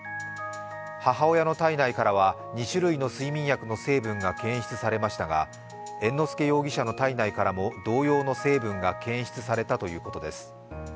母親の体内からは２種類の睡眠薬の成分が検出されましたが猿之助容疑者の体内から同様の成分が検出されたということです。